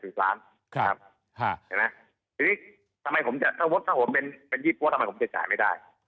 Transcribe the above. ทีนี้ถ้าผมเป็นยิบว่าทำไมผมจะจ่ายไม่ได้